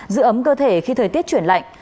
giữ ấm cơ thể khi thời tiết chuyển lạnh